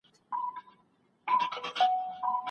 دا کار تاسو ته هیڅ ذهني ازادي نه درکوي.